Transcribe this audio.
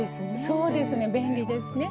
そうですね便利ですね。